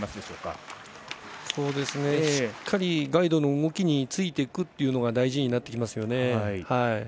しっかりガイドの動きについていくというのが大事になってきますよね。